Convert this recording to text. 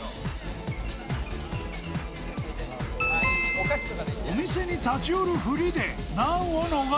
［お店に立ち寄るふりで難を逃れた］